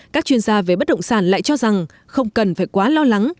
các chuyên gia về bất động sản lại cho rằng không cần phải quá lo lắng